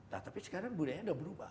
nah tapi sekarang budayanya sudah berubah